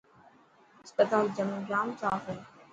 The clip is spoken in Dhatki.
هسپتال ڄام صاف هي.